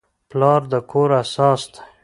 پلار د کور اساس دی.